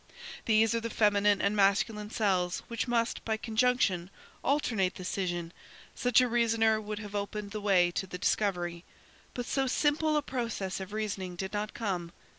These are the feminine and masculine cells which must, by conjunction, alternate the scission,–such a reasoner would have opened the way to the discovery. But so simple a process of reasoning did not come.